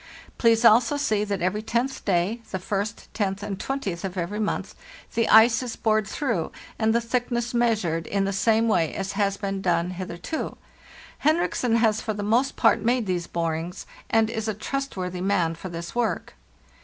Please also see that every tenth day (the first, tenth, and twentieth of every month) the ice is bored through, and the thickness measured, in the same way as has been done hitherto. Henriksen has for the most part made these borings, and is a trustworthy man for this work.